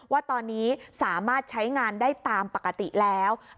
ว่าตอนนี้สามารถใช้งานได้ตามปกติแล้ว